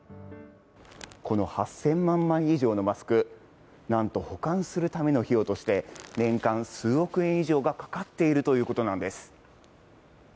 この８０００万枚以上のマスク、なんと保管するための費用として年間数億円以上がかかっているということなんです。